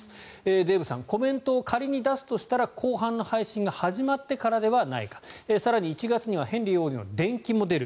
デーブさんコメントを仮に出すとしたら後半の配信が始まってからではないか更に１月にはヘンリー王子の伝記も出る。